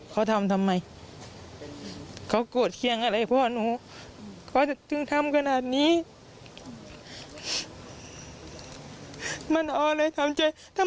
พ่อหนูมีคนเดียวนะถ้ามันเอากลับขึ้นมาได้ไหม